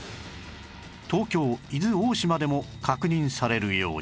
東京伊豆大島でも確認されるように